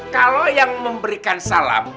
kalau yang memberikan salam